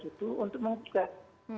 itu untuk menggugat